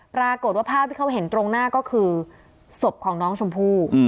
ปรากฏว่าภาพที่เขาเห็นตรงหน้าก็คือศพของน้องชมพู่